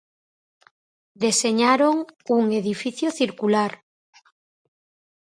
Deseñaron un edificio circular.